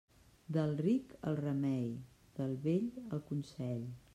Del ric el remei, del vell el consell.